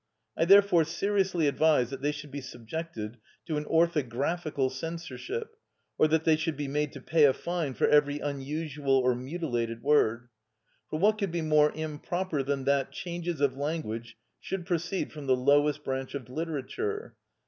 I therefore seriously advise that they should be subjected to an orthographical censorship, or that they should be made to pay a fine for every unusual or mutilated word; for what could be more improper than that changes of language should proceed from the lowest branch of literature?